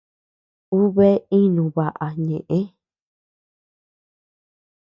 Uu bea ínu baʼa ñëʼe.